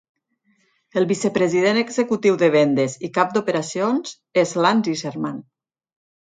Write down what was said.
El vicepresident executiu de vendes i cap d'operacions és Lance Iserman.